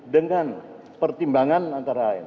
dengan pertimbangan antara lain